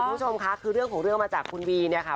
คุณผู้ชมค่ะคือเรื่องของเรื่องมาจากคุณวีเนี่ยค่ะ